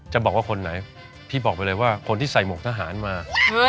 จะบอกว่าคนไหนพี่บอกไปเลยว่าคนที่ใส่หมวกทหารมา